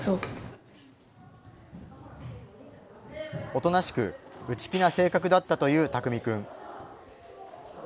おとなしく、内気な性格だったという巧君。